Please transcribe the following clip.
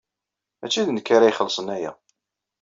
Maci d nekk ara ixellṣen aya.